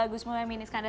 gusmu meme ini skanda